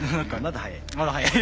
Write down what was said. まだ早い。